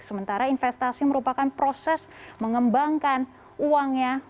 sementara investasi merupakan proses mengembangkan uangnya